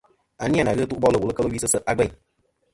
A ni a na ghɨ ɨtu bolɨ wùl kel wi sɨ se ' a gveyn.